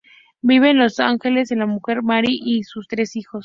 Vive en Los Ángeles con su mujer Mary y sus tres hijos.